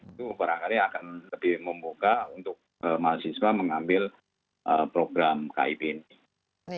itu barangkali akan lebih membuka untuk mahasiswa mengambil program kib ini